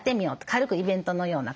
軽くイベントのような感じで。